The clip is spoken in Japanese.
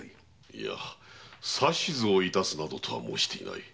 いや指図を致すなどとは申していない。